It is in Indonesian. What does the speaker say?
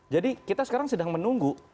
jadi kita sekarang sedang menunggu